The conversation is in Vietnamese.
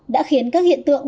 đã khiến các hiện tượng